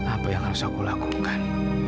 apa yang harus aku lakukan